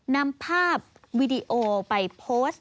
นำภาพวีดีโอไปโพสต์